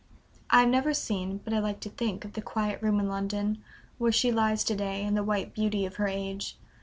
I have never seen, but I like to think of the quiet room in London, where she lies to day in the white beauty of her age.